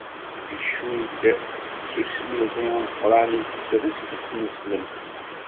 Icudd s ufmiḍi ameqqran i tesreṭ tineslemt.